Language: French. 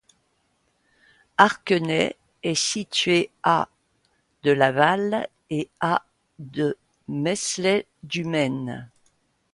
Arquenay est située à de Laval et à de Meslay-du-Maine.